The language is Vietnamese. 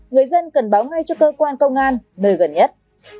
người dân cần báo ngay cho cơ quan công an nơi gần nhất